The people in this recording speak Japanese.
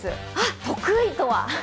得意とは？